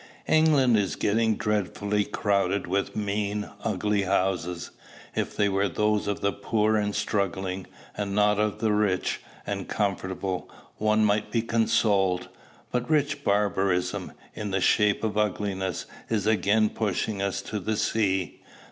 England is getting dreadfully crowded with mean, ugly houses. If they were those of the poor and struggling, and not of the rich and comfortable, one might be consoled. But rich barbarism, in the shape of ugliness, is again pushing us to the sea.